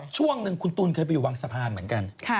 ช่วงหนึ่งคุณตูนเคยไปอยู่บางสะพานเหมือนกัน